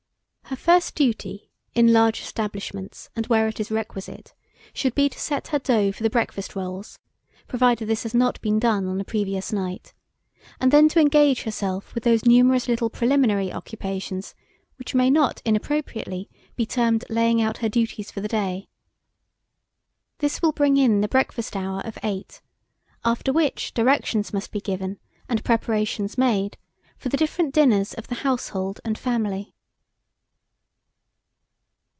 HER FIRST DUTY, in large establishments and where it is requisite, should be to set her dough for the breakfast rolls, provided this has not been done on the previous night, and then to engage herself with those numerous little preliminary occupations which may not inappropriately be termed laying out her duties for the day. This will bring in the breakfast hour of eight, after which, directions must be given, and preparations made, for the different dinners of the household and family.